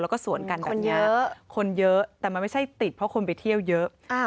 แล้วก็สวนกันแบบนี้คนเยอะแต่มันไม่ใช่ติดเพราะคนไปเที่ยวเยอะ